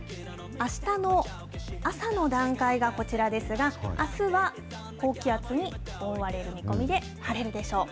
あしたの朝の段階がこちらですが、あすは高気圧に覆われる見込みで、晴れるでしょう。